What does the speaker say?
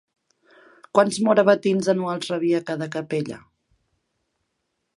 Quants morabatins anuals rebia cada capella?